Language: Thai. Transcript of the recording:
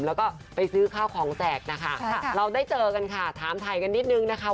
แล้วก็ไปซื้อข้าวของแจกนะคะเราได้เจอกันค่ะถามถ่ายกันนิดนึงนะคะ